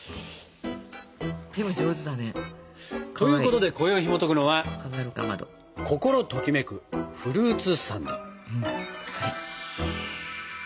でも上手だね。ということでこよいひもとくのは「心ときめくフルーツサンド」。